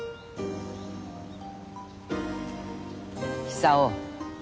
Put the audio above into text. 久男。